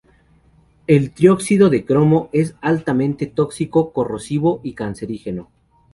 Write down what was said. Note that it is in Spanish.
El trióxido de cromo es altamente tóxico, corrosivo y cancerígeno.